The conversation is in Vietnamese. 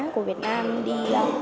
của việt nam đi